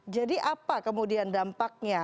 jadi apa kemudian dampaknya